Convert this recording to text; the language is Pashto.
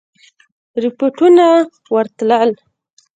رپوټونه ورتلل.